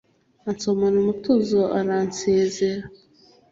Ansomana umutuzo aransezera,